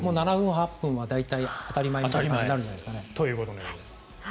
７分、８分は当たり前になるんじゃないですかね。ということのようです。